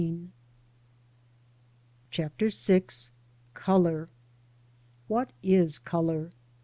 \ CHAPTER VI. COLOUR. WHAT is Colour?